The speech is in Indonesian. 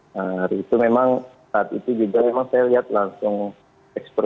hari itu memang saat itu juga memang saya lihat langsung ekspor